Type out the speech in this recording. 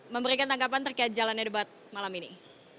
memberikan tanggapan terkait jalannya debat malam ini